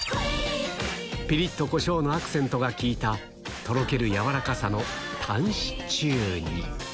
ぴりっとコショウのアクセントが効いたとろけるやわらかさのタンシチューに。